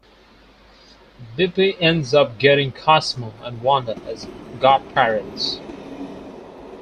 Bippy ends up getting Cosmo and Wanda as godparents.